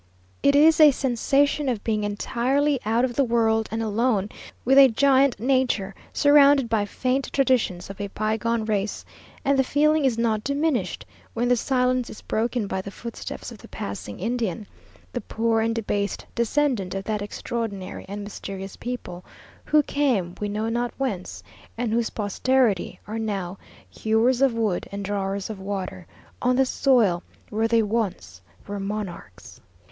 It is a sensation of being entirely out of the world, and alone with a giant nature, surrounded by faint traditions of a bygone race; and the feeling is not diminished, when the silence is broken by the footstep of the passing Indian, the poor and debased descendant of that extraordinary and mysterious people, who came, we know not whence, and whose posterity are now "hewers of wood and drawers of water," on the soil where they once were monarchs.